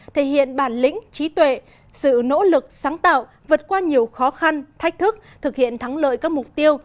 thể hiện bản lĩnh trí tuệ sự nỗ lực sáng tạo vượt qua nhiều khó khăn thách thức thực hiện thắng lợi các mục tiêu